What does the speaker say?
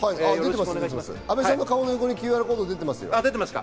阿部さんの顔の横にＱＲコードが出てます。